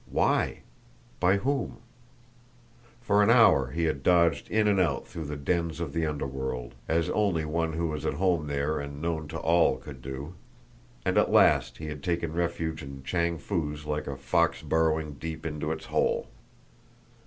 Why? By whom? For an hour he had dodged in and out through the dens of the underworld, as only one who was at home there and known to all could do and at last he had taken refuge in Chang Foo's like a fox burrowing deep into its hole.